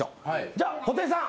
じゃあ布袋さん